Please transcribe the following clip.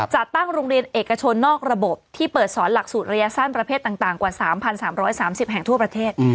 จัดตั้งโรงเรียนเอกชนนอกระบบที่เปิดสอนหลักสูตรระยะสั้นประเภทต่างกว่า๓๓๓๐แห่งทั่วประเทศ